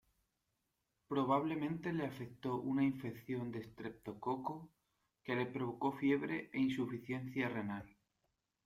Probablemente le afectó una infección de estreptococo que le provocó fiebre e insuficiencia renal.